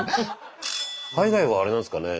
海外はあれなんですかね